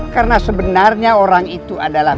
karena sebenarnya orang itu adalah